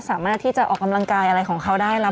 สามารถที่จะออกกำลังกายอะไรของเขาได้แล้ว